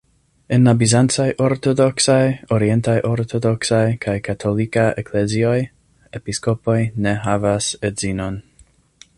En la bizancaj ortodoksaj, orientaj ortodoksaj kaj katolika eklezioj, episkopoj ne havas edzinon.